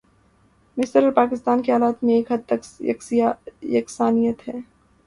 مصر اور پاکستان کے حالات میں ایک حد تک یکسانیت ہے۔